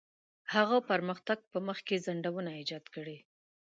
هغه پرمختګ په مخ کې خنډونه ایجاد کړي.